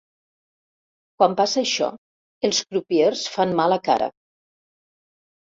Quan passa això els crupiers fan mala cara.